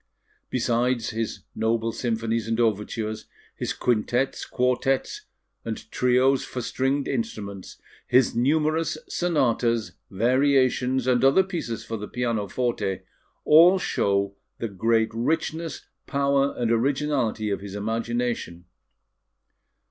Besides his noble symphonies and overtures, his quintettes, quartettes, and trios, for stringed instruments, his numerous sonatas, variations, and other pieces for the pianoforte, all show the great richness, power, and originality of his imagination.